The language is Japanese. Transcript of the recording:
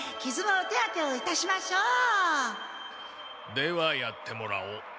ではやってもらおう。